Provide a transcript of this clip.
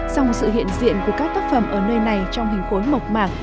song sự hiện diện của các tác phẩm ở nơi này trong hình khối mộc mạc